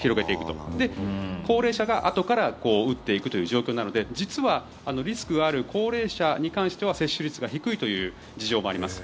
それで高齢者があとから打っていくという状況なので実はリスクがある高齢者に関しては接種率が低いという事情もあります。